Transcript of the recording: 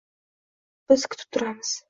Biz kutib turamiz.